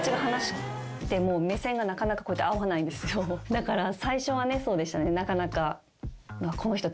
だから最初はねそうでしたねなかなか。